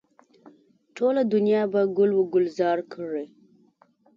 ټوله دنیا به ګل و ګلزاره کړي.